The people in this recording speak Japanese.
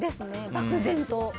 漠然と。